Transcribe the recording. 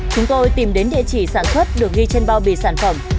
chúng tôi tìm đến địa chỉ sản xuất được ghi trên bao bì sản phẩm